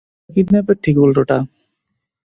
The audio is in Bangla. এটা কিডন্যাপের ঠিক উল্টোটা।